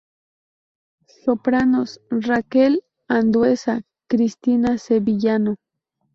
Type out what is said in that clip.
Sopranos: Raquel Andueza, Cristina Sevillano.